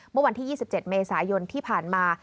เมื่อวันที่๒๗เมษายนที่ผ่านมา